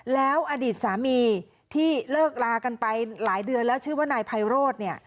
แล้วอดีตสามีที่เลิกลากันไปหลายเดือนแล้วชื่อว่านายไพโรธเนี่ย